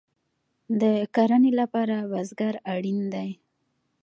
د کرنې لپاره بزګر اړین دی